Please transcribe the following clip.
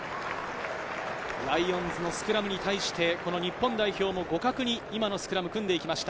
ライオンズのスクラムに対して、この日本代表も互角に今のスクラム組んで行きました。